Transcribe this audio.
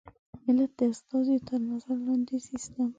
ملت د استازیو تر نظر لاندې سیسټم.